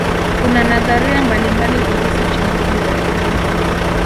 kuna nadharia mbalimbali kuhusu chimbuko la ukimwi